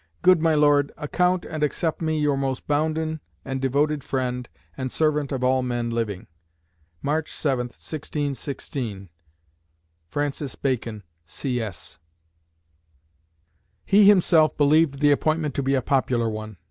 Good my Lord, account and accept me your most bounden and devoted friend and servant of all men living, "March 7, 1616 (i.e. 1616/1617). FR. BACON, C.S." He himself believed the appointment to be a popular one.